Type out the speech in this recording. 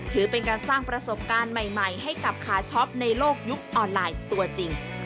ถือเป็นการสร้างประสบการณ์ใหม่ให้กับคาช็อปในโลกยุคออนไลน์ตัวจริง